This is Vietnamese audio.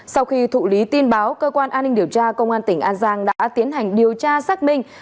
sau khi thụ lý tin báo cơ quan an ninh điều tra công an tỉnh an giang đã tiến hành điều tra xác minh